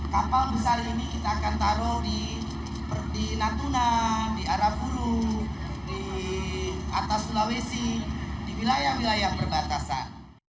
kapal besar ini kita akan taruh di natuna di arapuru di atas sulawesi di wilayah wilayah perbatasan